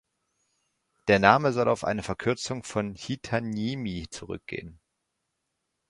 Der Name soll auf eine Verkürzung von "Hietaniemi" zurückgehen.